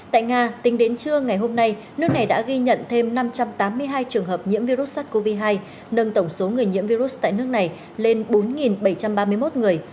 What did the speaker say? tại nga tính đến trưa ngày hôm nay nước này đã ghi nhận thêm năm trăm tám mươi hai trường hợp nhiễm virus sars cov hai nâng tổng số người nhiễm virus tại nước này lên bốn bảy trăm ba mươi một người